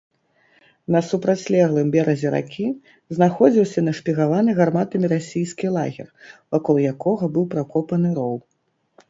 На супрацьлеглым беразе ракі знаходзіўся нашпігаваны гарматамі расійскі лагер, вакол якога быў пракопаны роў.